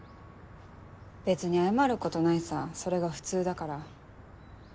別に謝ることないさそれが普通だから。